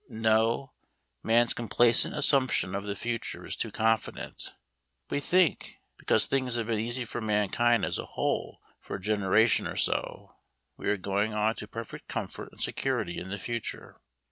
No; man's complacent assumption of the future is too confident. We think, because things have been easy for mankind as a whole for a generation or so, we are going on to perfect comfort and security in the future.